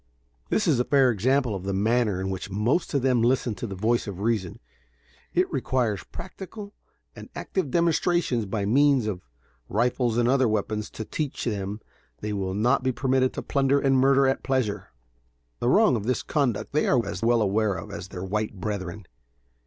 This is a fair example of the manner in which most of them listen to the voice of reason. It requires practical and active demonstrations by means of rifles and other weapons to teach, them that they will not be permitted to plunder and murder at pleasure. The wrong of this conduct they are as well aware of as their white brethren.